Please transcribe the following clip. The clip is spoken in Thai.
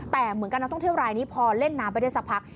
แต่เหมือนกันนักท่องเที่ยวรายนี้พอเล่นน้ำไปได้สักพัก